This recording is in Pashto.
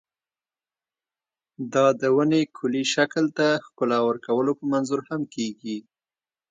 دا د ونې کلي شکل ته ښکلا ورکولو په منظور هم کېږي.